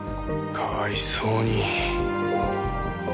かわいそうに。